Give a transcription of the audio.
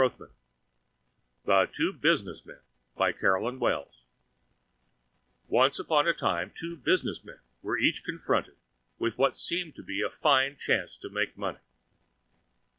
[Pg 583] THE TWO BUSINESS MEN BY CAROLYN WELLS Once on a Time two Business Men were Each Confronted with what seemed to be a Fine Chance to Make Money.